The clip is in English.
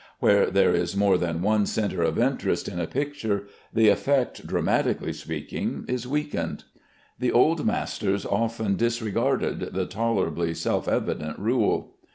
Where there is more than one centre of interest in a picture, the effect, dramatically speaking, is weakened. The old masters often disregarded the tolerably self evident rule.